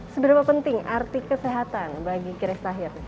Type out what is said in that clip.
seberapa penting arti kesehatan bagi kira kira sahir